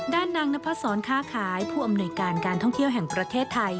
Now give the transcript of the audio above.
ด้านนางนพศรค้าขายผู้อำนวยการการท่องเที่ยวแห่งประเทศไทย